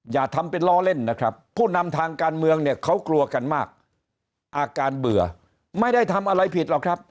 อย่าทำเป็นล้อเล่นนะครับผู้นำทางการเมืองเนี่ยเขากลัวกันมากอาการเบื่อไม่ได้ทำอะไรผิดหรอกครับ